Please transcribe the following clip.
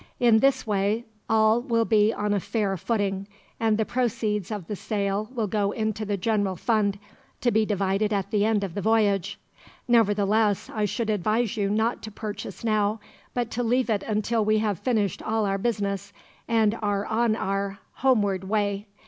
In this way all will be on a fair footing, and the proceeds of the sale will go into the general fund, to be divided at the end of the voyage. Nevertheless, I should advise you not to purchase now, but to leave it until we have finished all our business, and are on our homeward way.